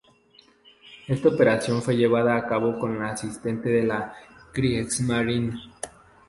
Esta operación fue llevada a cabo con la asistencia de la Kriegsmarine.